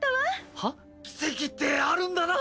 奇跡ってあるんだな！